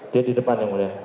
dia di depan yang mulia